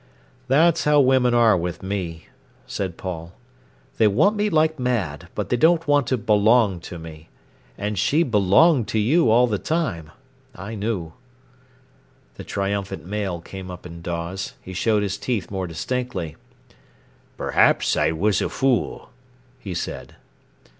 "That's how women are with me," said Paul. "They want me like mad, but they don't want to belong to me. And she belonged to you all the time. I knew." The triumphant male came up in Dawes. He showed his teeth more distinctly. "Perhaps I was a fool," he said.